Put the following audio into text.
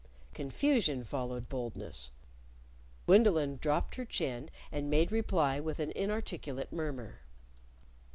Confusion followed boldness. Gwendolyn dropped her chin, and made reply with an inarticulate murmur.